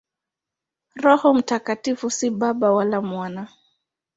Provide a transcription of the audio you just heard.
Roho Mtakatifu si Baba wala Mwana.